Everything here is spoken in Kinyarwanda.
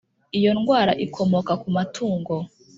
Iyo ndwara ikomoka kuma tungo